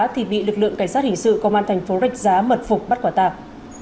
thì bị lực lượng cảnh sát hình sự công an thành phố rạch giá mật phục bắt quả tạp